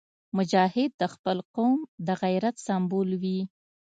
مجاهد د خپل قوم د غیرت سمبول وي.